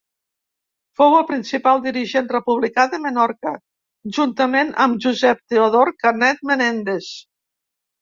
Fou el principal dirigent republicà de Menorca juntament amb Josep Teodor Canet Menéndez.